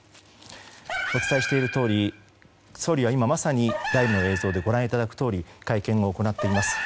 お伝えしているとおり総理は今まさにライブの映像でご覧いただくとおり会見を行っています。